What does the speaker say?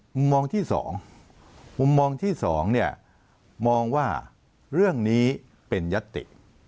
มุมมองที่๒มุมมองที่๒เนี่ยมองว่าเรื่องนี้เป็นยัตติ